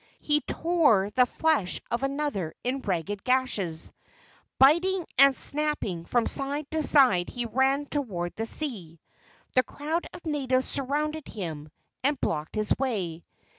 He tore the flesh of another in ragged gashes. Biting and snapping from side to side he ran toward the sea. The crowd of natives surrounded him and blocked his way.